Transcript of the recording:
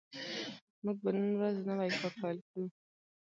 موږ به نن ورځ نوی کار پیل کړو